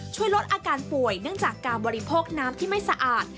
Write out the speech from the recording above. ช่วยลดอาการป่วยเนื่องจากการบริโภคน้ำที่ไม่สะอาด